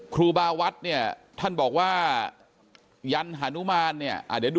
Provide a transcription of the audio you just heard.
ครูบาวัดเนี่ยท่านบอกว่าหลังของนายแจ๊ค